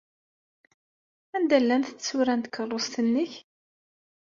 Anda llant tsura n tkeṛṛust-nnek?